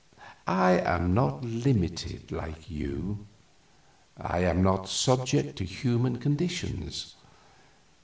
I am not limited like you. I am not subject to human conditions.